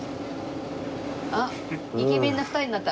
あっイケメンな二重になった。